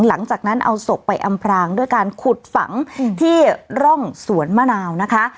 หลังจากนั้นเอาศพไปอำพรางด้วยการขุดฝังที่ร่องสวนมะนาวนะคะ